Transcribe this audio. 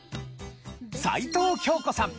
齊藤京子さん